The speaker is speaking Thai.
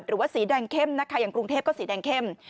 หรือว่าสีแดงเข้มนะคะอย่างกรุงเทพก็สีแดงเข้ม